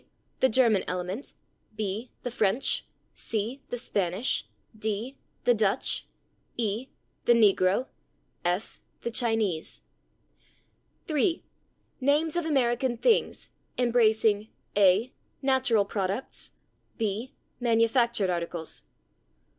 The German element. b. The French. c. The Spanish. d. The Dutch. e. The negro. f. The Chinese. 3. Names of American things, embracing: a. Natural products. b. Manufactured articles.